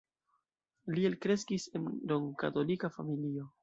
Li elkreskis en rom-katolika familio.